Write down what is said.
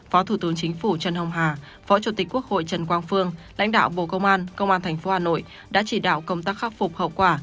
phó thủ tướng chính phủ trần hồng hà phó chủ tịch quốc hội trần quang phương lãnh đạo bộ công an công an tp hà nội đã chỉ đạo công tác khắc phục hậu quả